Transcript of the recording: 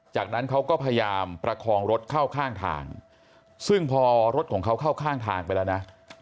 จากนั้นเขาก็พยายามประคองรถเข้าข้างทางซึ่งพอรถของเขาเข้าข้างทางไปแล้วนะ